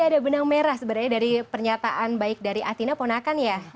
ada benang merah sebenarnya dari pernyataan baik dari atina ponakan ya